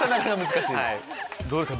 どうですか？